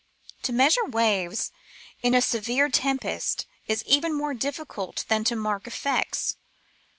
To measure waves in a severe tempest is even more difficult than to mark effects.